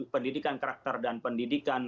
pendidikan karakter dan pendidikan